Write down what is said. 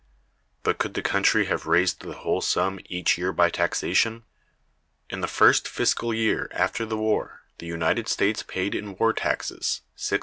But could the country have raised the whole sum each year by taxation? In the first fiscal year after the war the United States paid in war taxes $650,000,000.